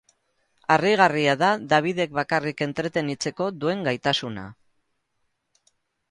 Harrigarria da Dabidek bakarrik entretenitzeko duen gaitasuna.